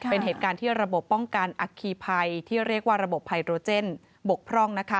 เป็นเหตุการณ์ที่ระบบป้องกันอัคคีภัยที่เรียกว่าระบบไพโรเจนบกพร่อง